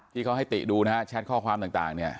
ที่เขาให้ติดูนะฮะแชทข้อความต่างเนี่ย